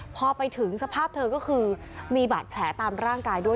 พอไปถึงสภาพเธอก็คือมีบาดแผลตามร่างกายด้วย